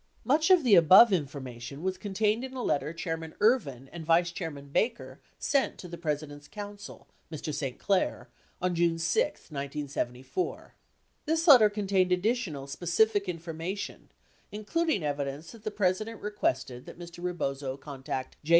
Much of the above information was contained in a letter Chairman Ervin and Vice Chairman Baker sent to the President's counsel, Mr. St. Clair on June 6, 1974. This letter contained additional specific information including evidence that the President requested that Mr. Rebozo contact J.